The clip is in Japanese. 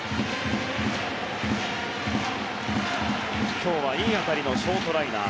今日はいい当たりのショートライナー。